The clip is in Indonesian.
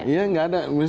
iya nggak ada